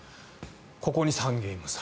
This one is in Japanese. ここに３ゲーム差